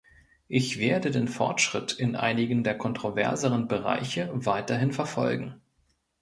Ich werde den Fortschritt in einigen der kontroverseren Bereiche weiterhin verfolgen.